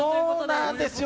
そうなんですよ